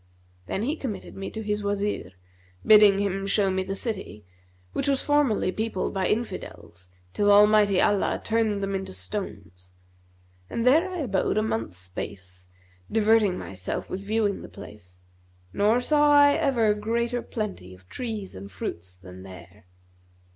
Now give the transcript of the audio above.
Then he committed me to his Wazir, bidding him show me the city, which was formerly peopled by Infidels, till Almighty Allah turned them into stones; and there I abode a month's space, diverting myself with viewing the place, nor saw I ever greater plenty of trees and fruits than there.